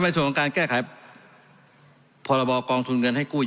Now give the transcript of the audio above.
ทำทำมาส่วนของการแก้ขาย